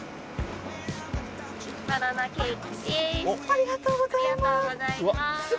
ありがとうございます。